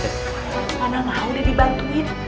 gak ada yang mau dibantuin